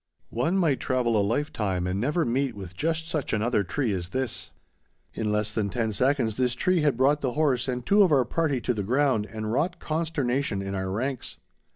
One might travel a lifetime and never meet with just such another tree as this. In less than ten seconds this tree had brought the horse and two of our party to the ground and wrought consternation in our ranks.